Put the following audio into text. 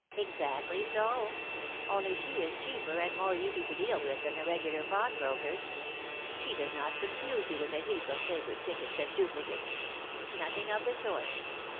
"Exactly so; only she is cheaper and more easy to deal with than the regular pawnbrokers: she does not confuse you with a heap of paper tickets and duplicates, nothing of the sort.